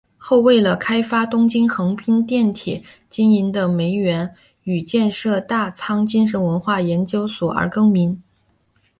后为了开发东京横滨电铁经营的梅园与建设大仓精神文化研究所而更名。